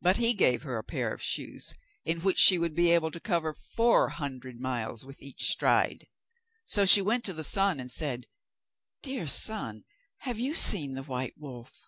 But he gave her a pair of shoes, in which she would be able to cover four hundred miles with every stride. So she went to the sun, and said: 'Dear sun, have you seen the white wolf?